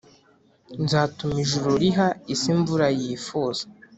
nzatuma ijuru riha isi imvura yifuza